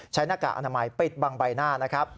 หน้ากากอนามัยปิดบังใบหน้านะครับ